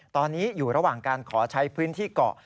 ตอนนี้อยู่ระหว่างการขอใช้พื้นที่เกาะ